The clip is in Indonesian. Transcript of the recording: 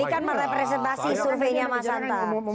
ini kan merepresentasi surveinya mas hanta